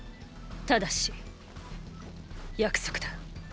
ただし約束だ。